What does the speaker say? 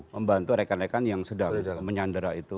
membantu rekan rekan yang sedang menyandera itu